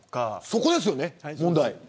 そこですよね、問題。